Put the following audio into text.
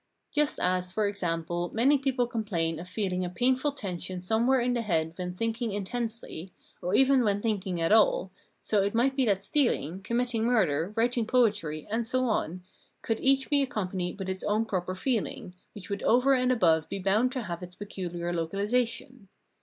Just as, e.g., many people complain of feeling a paiuful tension somewhere in the head when thinking intensely, or even when thinking at all, so it might be that steahng, committing murder, writing poetry, and so on, could each be accompanied with its own proper feehng, which would over and above be bound to have its pecuhar localisation.